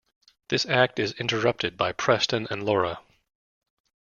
This act is interrupted by Preston and Laura.